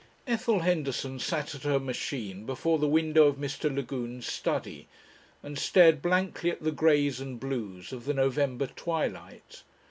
Ethel Henderson sat at her machine before the window of Mr. Lagume's study, and stared blankly at the greys and blues of the November twilight.